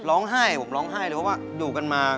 ร้องไห้ผมร้องไห้เลยเพราะว่าอยู่กันมา